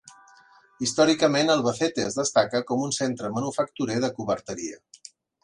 Històricament Albacete es destaca com a centre manufacturer de coberteria.